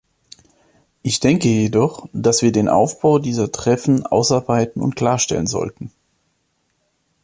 Ich denke jedoch, dass wir den Aufbau dieser Treffen ausarbeiten und klarstellen sollten.